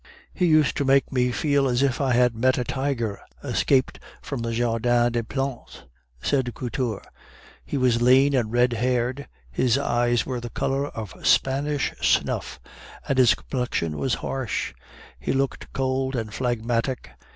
"He used to make me feel as if I had met a tiger escaped from the Jardin des Plantes," said Couture. "He was lean and red haired, his eyes were the color of Spanish snuff, and his complexion was harsh. He looked cold and phlegmatic.